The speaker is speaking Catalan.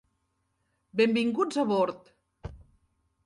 Benvinguts a bord.